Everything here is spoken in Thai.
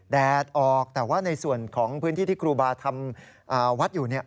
แดดออกแต่ว่าในส่วนของพื้นที่ที่ครูบาทำวัดอยู่เนี่ย